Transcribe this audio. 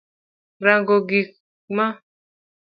Rango gik m